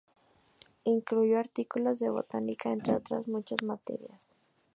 Incluyó artículos de botánica, entre otras muchas materias.